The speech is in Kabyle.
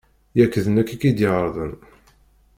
Yak d nekk i k-id-ɛerḍen.